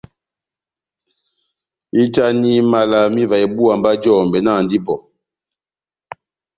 Ehitani mala má ivaha ibúwa mba jɔmbɛ, nahandi ipɔ !